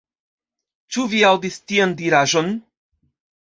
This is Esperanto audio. Ĉu vi aŭdis tian diraĵon?